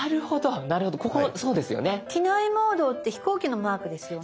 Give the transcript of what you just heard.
「機内モード」って飛行機のマークですよね？